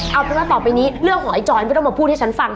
เอาเป็นว่าต่อไปนี้เรื่องของไอ้จอยไม่ต้องมาพูดให้ฉันฟัง